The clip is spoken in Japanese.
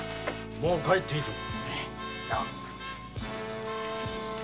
もう帰っていいぞ。